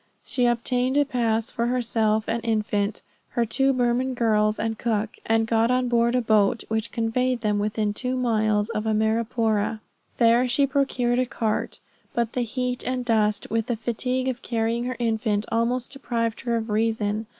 She obtained a pass for herself and infant, her two Burman girls and cook, and got on board a boat, which conveyed them within two miles of Amarapoora. There she procured a cart, but the heat and dust, with the fatigue of carrying her infant, almost deprived her of reason.